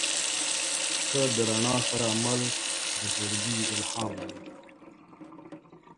• ته د رڼا سره مل د زړګي الهام یې.